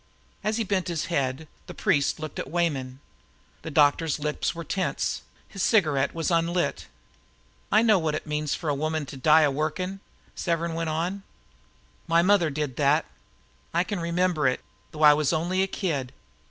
As he bent his head, the priest looked at Weyman. The doctor's lips were tense. His cigarette was unlighted. "I know what it means for a woman to die a workin'," Severn went on. "My mother did that. I can remember it, though I was only a kid.